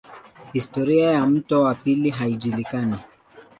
Historia ya mto wa pili haijulikani.